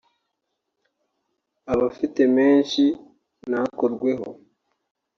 abafite menshi ntakorweho